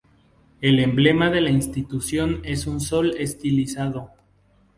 El emblema de la Institución es un sol estilizado.